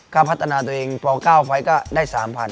ก็พัฒนาตัวเองพอ๙ไฟล์ก็ได้๓๐๐๐